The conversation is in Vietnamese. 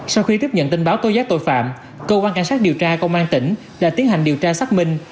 sau khi tiếp nhận tin báo tố giác tội phạm cơ quan cảnh sát điều tra công an tỉnh đã tiến hành điều tra xác minh